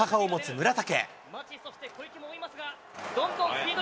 村竹。